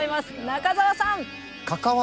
中澤さん！